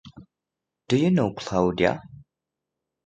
Do You Know Claudia?